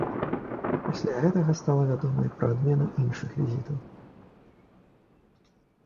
Пасля гэтага стала вядома і пра адмену іншых візітаў.